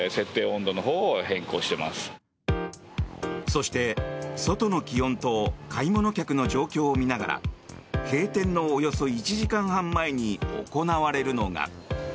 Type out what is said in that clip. そして、外の気温と買い物客の状況を見ながら閉店のおよそ１時間半前に行われるのが。